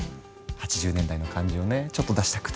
８０年代の感じをねちょっと出したくて。